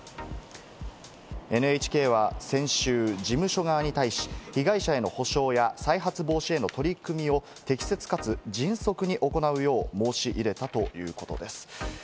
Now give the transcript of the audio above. ＮＨＫは先週、事務所側に対し、被害者への補償や再発防止への取り組みを適切かつ迅速に行うよう、申し入れたということです。